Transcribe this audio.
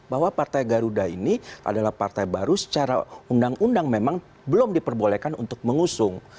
bahwa partai garuda ini adalah partai baru secara undang undang memang belum diperbolehkan untuk mengusung